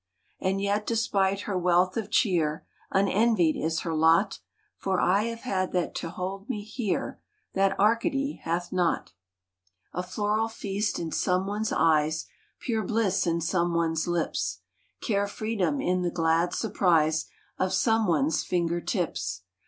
And yet despite her wealth of cheer, Unenvied is her lot ; For I have that to hold me here That Arcady hath not ![ A floral feast in Some One s eyes, Pure bliss in Some One s lips ; Care Freedom in the glad surprise Of Some One s finger tips.